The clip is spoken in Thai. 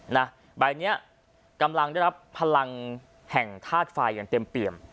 นะใบเนี้ยกำลังได้รับพลังแห่งธาตุไฟอย่างเต็มเปี่ยม